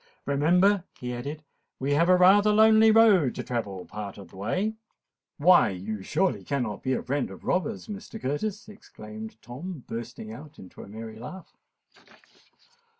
"Remember," he added, "we have rather a lonely road to travel part of the way——" "Why—you surely cannot be afraid of robbers, Mr. Curtis?" exclaimed Tom, bursting out into a merry laugh.